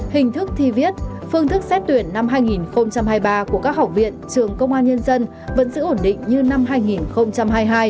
hình thức thi viết phương thức xét tuyển năm hai nghìn hai mươi ba của các học viện trường công an nhân dân vẫn giữ ổn định như năm hai nghìn hai mươi hai